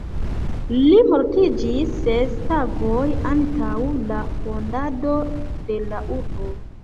Li mortiĝis ses tagoj antaŭ la fondado de la urbo.